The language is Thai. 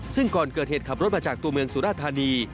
ซึ่งก่อนเกิดเหตุขับรถมาจากตัวเมืองสุราธานี